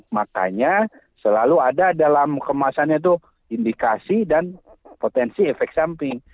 makanya selalu ada dalam kemasannya itu indikasi dan potensi efek samping